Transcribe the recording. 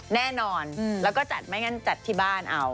แน่นอนแล้วก็จัดไม่งั้นจัดที่บ้านเอา